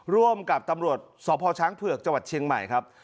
ร่วมกับตำรวจสพช้างเผือกจังหวัดเชียงใหม่ครับ